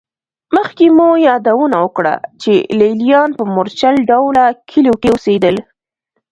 مخکې مو یادونه وکړه چې لېلیان په مورچل ډوله کلیو کې اوسېدل